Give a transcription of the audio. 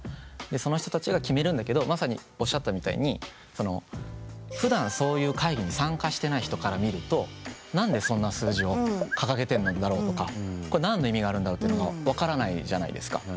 でその人たちが決めるんだけどまさにおっしゃったみたいにそのふだんそういう会議に参加してない人から見ると何でそんな数字を掲げてんのだろうとかこれ何の意味があるんだろうっていうのが分からないじゃないですか。